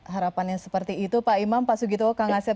harapannya seperti itu pak imam pak sugito kangaset